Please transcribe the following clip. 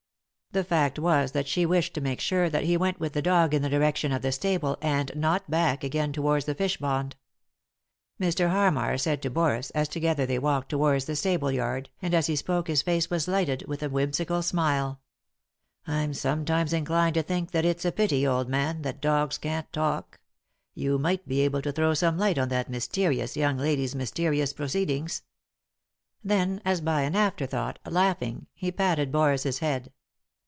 The fact was that she wished to make sure that he went with the dog in the direction of the stable, and not back again towards the fishpond. Mr. Harmar said to Boris, as together they walked towards the stable yard, and as he spoke his face was lighted by a whimsical smile : 183 3i 9 iii^d by Google THE INTERRUPTED KISS "I'm sometimes inclined to think that it's a pity, old man, that dogs can't talk ; you might be able to throw some light on that mysterious young lady's mysterious proceedings." Then, as by an afterthought, laughing, he patted Boris's head.